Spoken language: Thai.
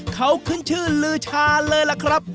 เขาขึ้นชื่อลือชาเลยล่ะครับ